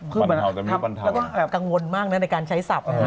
คือมันก็ทำกังวลมากในการใช้สรรค์